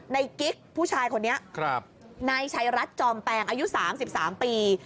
กิ๊กผู้ชายคนนี้นายชัยรัฐจอมแปลงอายุ๓๓ปี